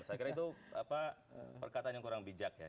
saya kira itu perkataan yang kurang bijak ya